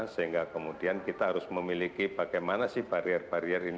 sehingga kemudian kita harus memiliki bagaimana sih barier barier ini